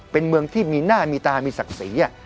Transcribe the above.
เป็นเมืองที่มีหน้ามีตามีศักดิ์ศรี